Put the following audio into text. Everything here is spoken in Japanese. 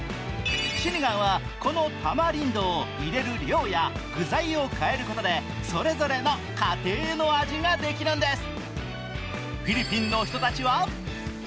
シニガンはこのタマリンドを入れる量や具材を変えることでそれぞれの家庭の味ができるんです。